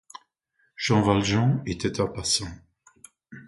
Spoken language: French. Jean Valjean était un passant.